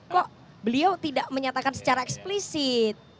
kok beliau tidak menyatakan secara eksplisit